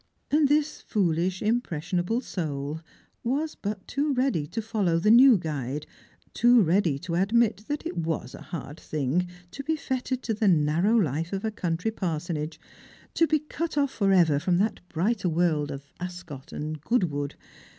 And this foolish impressionable soul was but too ready to follow the new guide, too ready to admit that it was a hard thing to be fettered to the narrow life of a country parsonage, to be cut off for ever from that brighter world of Ascot and Goodwood.